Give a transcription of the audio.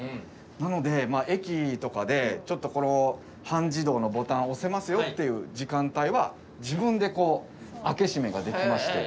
なので駅とかで半自動のボタンを押せますよっていう時間帯は自分でこう開け閉めができまして。